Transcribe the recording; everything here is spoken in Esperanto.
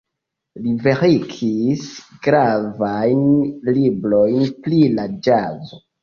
Li verkis gravajn librojn pri la ĵazo.